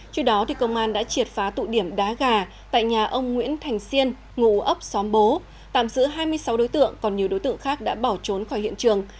trước đó công an đã triệt phá tụ điểm đá gà tại nhà ông nguyễn thành xiên ngụ ấp xóm bố tạm giữ hai mươi sáu đối tượng còn nhiều đối tượng khác đã bỏ trốn khỏi hiện trường